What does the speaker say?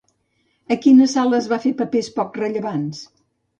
A quines sales va fer papers poc rellevants?